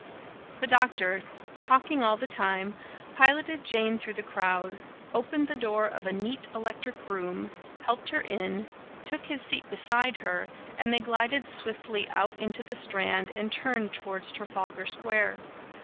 The doctor, talking all the time, piloted Jane through the crowd; opened the door of a neat electric brougham, helped her in, took his seat beside her, and they glided swiftly out into the Strand, and turned towards Trafalgar Square.